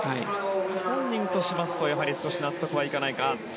本人としますと少し納得はいかないか。